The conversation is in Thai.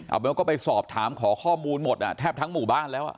เอาเป็นว่าก็ไปสอบถามขอข้อมูลหมดแทบทั้งหมู่บ้านแล้ว